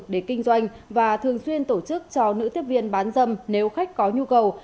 nguyễn thị anh đào đã mở quán karaoke để kinh doanh và thường xuyên tổ chức cho nữ tiếp viên bán dâm nếu khách có nhu cầu